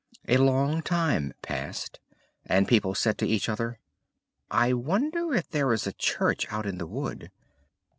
A long time passed, and people said to each other "I wonder if there is a church out in the wood?